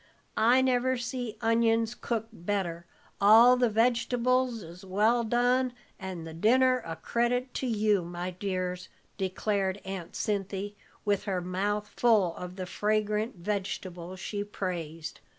"I never see onions cooked better. All the vegetables is well done, and the dinner a credit to you, my dears," declared Aunt Cinthy, with her mouth full of the fragrant vegetable she praised.